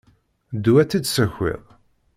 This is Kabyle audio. Ddu ad tt-id-tessakiḍ.